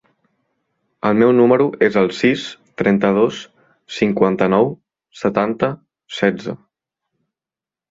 El meu número es el sis, trenta-dos, cinquanta-nou, setanta, setze.